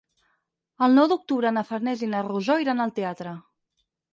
El nou d'octubre na Farners i na Rosó iran al teatre.